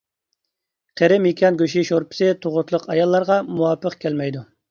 قېرى مېكىيان گۆشى شورپىسى تۇغۇتلۇق ئاياللارغا مۇۋاپىق كەلمەيدۇ.